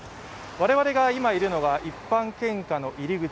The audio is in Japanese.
我々が今いるのは一般献花の入り口。